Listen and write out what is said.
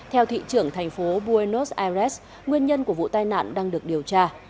theo thị trưởng thành phố buenos aires nguyên nhân của vụ tai nạn đang được điều tra